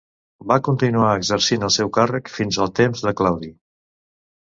Va continuar exercint el seu càrrec fins al temps de Claudi.